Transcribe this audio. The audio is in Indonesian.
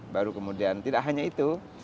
baru kemudian tidak hanya itu